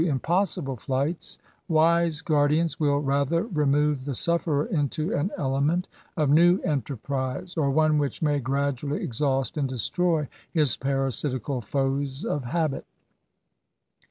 impossible flights, wise guardians will rather remove the sufferer into an element of new enterprise, or one which may gradually exhaust and destroy his parasitical foes of habit.